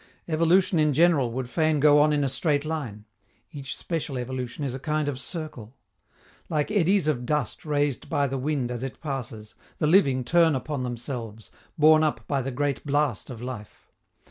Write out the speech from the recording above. Evolution in general would fain go on in a straight line; each special evolution is a kind of circle. Like eddies of dust raised by the wind as it passes, the living turn upon themselves, borne up by the great blast of life.